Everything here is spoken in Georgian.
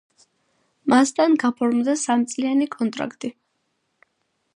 მასთან გაფორმდა სამწლიანი კონტრაქტი.